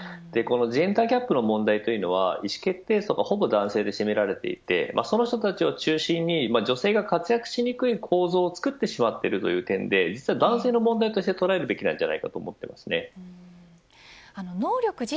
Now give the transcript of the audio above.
ジェンダー・ギャップの問題は意思決定者がほぼ男性層で占められていてそういう人たちを中心に女性が活躍しにくい構造をつくってしまっているという点で実は男性の問題として捉えるべきです。